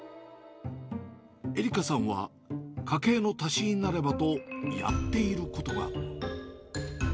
絵里香さんは、家計の足しになればとやっていることが。